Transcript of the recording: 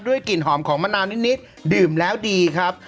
กลิ่นหอมของมะนาวนิดดื่มแล้วดีครับ